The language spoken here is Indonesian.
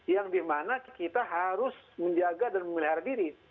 yang dimana kita harus menjaga dan memelihara diri